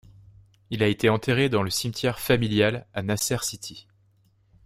Il a été enterré dans le cimetière familial a Nasr City.